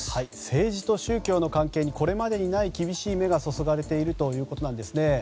政治と宗教の関係にこれまでにない厳しい目が注がれているということです。